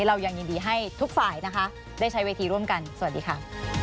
เรายังยินดีให้ทุกฝ่ายนะคะได้ใช้เวทีร่วมกันสวัสดีค่ะ